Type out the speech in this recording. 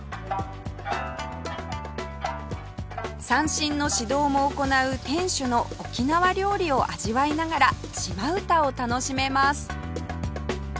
三線の指導も行う店主の沖縄料理を味わいながら島唄を楽しめます